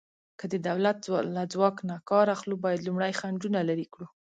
که د دولت له ځواک نه کار اخلو، باید لومړی خنډونه لرې کړو.